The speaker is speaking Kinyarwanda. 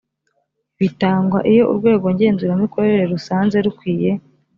bitangwa iyo urwego ngenzuramikorere rusanze rukwiye